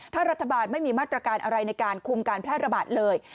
ถ้ารัฐบาลไม่มีมาตรการอะไรในการคุมการแพร่ระบาดเลย